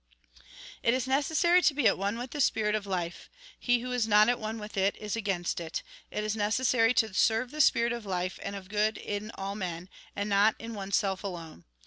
" It is necessary to be at one with the spirit of life. He who is not at one with it, is against it. It is necessary to serve the spirit of life and of good in all men, and not in oneself alone.